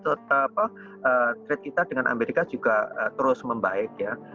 tetap trade kita dengan amerika juga terus membaik